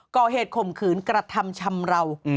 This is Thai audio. ก็เหตุข่มขืนกระทำชำราว